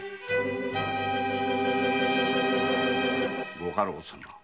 ご家老様